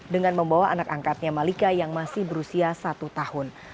dengan membawa anak angkatnya malika yang masih berusia satu tahun